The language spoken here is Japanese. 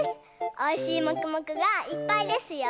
おいしいもくもくがいっぱいですよ。